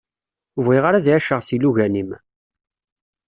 Ur bɣiɣ ara ad εiceɣ s ilugan-im